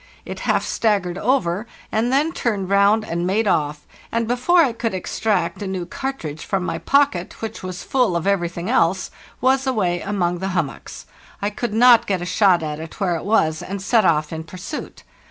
It half staggered over, and then turned round and made off, and before I could extract a new cartridge from my pocket, which was full of everything else, was away among the h ummocks. I could not get a shot at it where it was, and set off in pursuit.